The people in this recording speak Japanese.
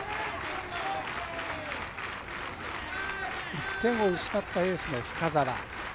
１点を失った、エースの深沢。